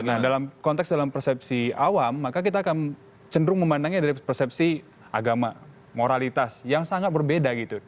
nah dalam konteks dalam persepsi awam maka kita akan cenderung memandangnya dari persepsi agama moralitas yang sangat berbeda gitu